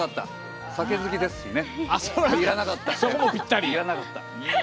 酒好きですしね。